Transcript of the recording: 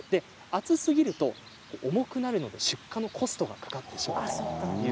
厚すぎると重くなるので出荷のコストがかかってしまいます。